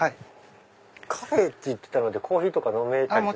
カフェっていってたのでコーヒーとか飲めたりしますか？